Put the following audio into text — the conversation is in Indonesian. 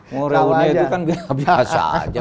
mau reuni itu kan biasa